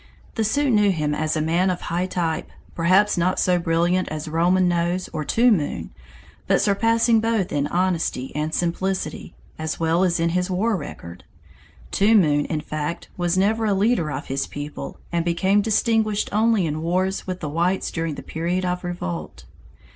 The Sioux knew him as a man of high type, perhaps not so brilliant as Roman Nose and Two Moon, but surpassing both in honesty and simplicity, as well as in his war record. (Two Moon, in fact, was never a leader of his people, and became distinguished only in wars with the whites during the period of revolt.)